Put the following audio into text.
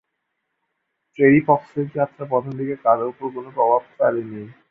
টেরি ফক্সের যাত্রা প্রথমদিকে কারো উপর কোন প্রভাব ফেলে নি।